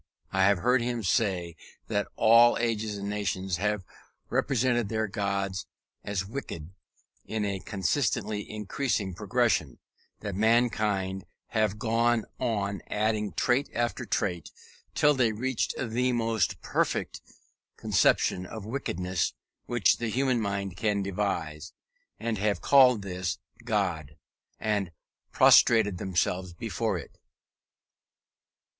I have a hundred times heard him say that all ages and nations have represented their gods as wicked, in a constantly increasing progression; that mankind have gone on adding trait after trait till they reached the most perfect conception of wickedness which the human mind can devise, and have called this God, and prostrated themselves before it.